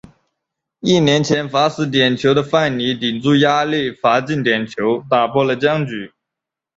一年前罚失点球的范尼顶住压力罚进点球打破了僵局。